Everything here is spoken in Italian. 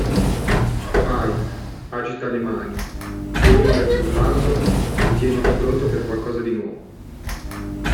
Vai, agita le mani, bevi un bel frullato, e tieniti pronto per qualcosa di nuovo!